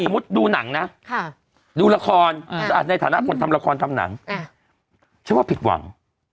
ดูหนังนะดูละครในฐานะคนทำละครทำหนังฉันว่าผิดหวัง